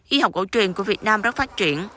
y học cổ truyền của việt nam rất phát triển